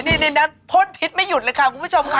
ในนั้นพ่นพิษไม่หยุดเลยค่ะคุณผู้ชมค่ะ